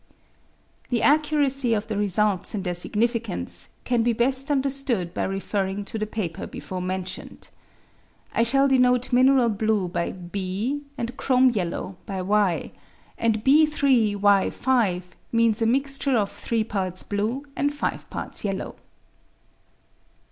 The accuracy of the results, and their significance, can be best understood by referring to the paper before mentioned. I shall denote mineral blue by B, and chrome yellow by Y; and B3 Y5 means a mixture of three parts blue and five parts yellow.